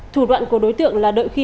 thủ đoạn của đối tượng là đợi khi